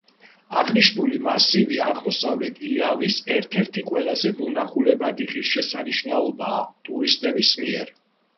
აღნიშნული მასივი აღმოსავლეთ იავის ერთ-ერთი ყველაზე მონახულებადი ღირსშესანიშნაობაა ტურისტების მიერ.